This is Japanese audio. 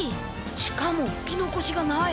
しかもふきのこしがない。